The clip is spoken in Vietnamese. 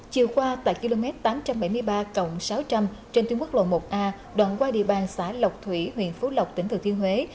chiều qua tại km tám trăm bảy mươi ba sáu trăm linh trên tuyến quốc lộ một a đoạn qua địa bàn xã lộc thủy huyện phú lộc tỉnh thừa thiên huế